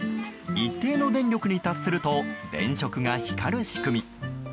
一定の電力に達すると電飾が光る仕組み。